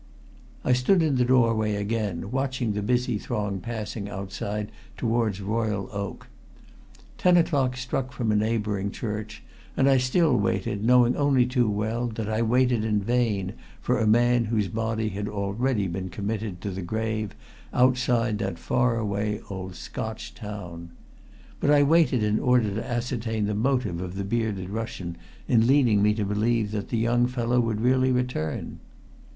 I stood in the doorway again watching the busy throng passing outside towards Royal Oak. Ten o'clock struck from a neighboring church, and I still waited, knowing only too well that I waited in vain for a man whose body had already been committed to the grave outside that far away old Scotch town. But I waited in order to ascertain the motive of the bearded Russian in leading me to believe that the young fellow would really return.